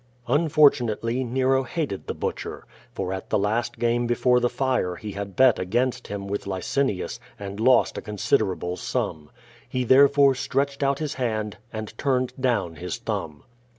I'Ufortunately, Nero hated the Butcher, for at the last game before the fire he had bet against him with Licinins and lost a considerable sum. He therefore stretched out his hand and turned down his thumb.